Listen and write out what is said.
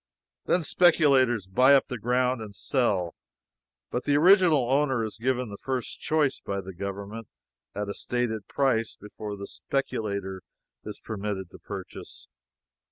Then speculators buy up the ground and sell, but the original owner is given the first choice by the government at a stated price before the speculator is permitted to purchase.